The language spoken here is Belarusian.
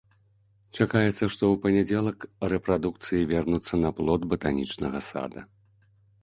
Чакаецца, што ў панядзелак рэпрадукцыі вернуцца на плот батанічнага сада.